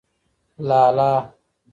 لالا